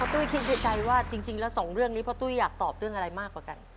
ตุ้ยคิดในใจว่าจริงแล้วสองเรื่องนี้พ่อตุ้ยอยากตอบเรื่องอะไรมากกว่ากัน